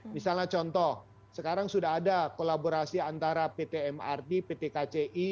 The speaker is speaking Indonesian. misalnya contoh sekarang sudah ada kolaborasi antara pt mrt pt kci